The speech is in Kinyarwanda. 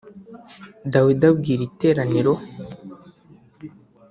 Dawidi abwira iteraniro